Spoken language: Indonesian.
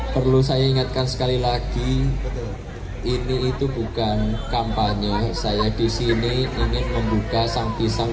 perlu saya ingatkan sekali lagi ini itu bukan kampanye saya disini ingin membuka sang pisang